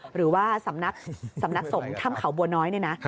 หรือว่าสำนักสงฆ์ถ้ำเข่าบัวน้อยนี่นะ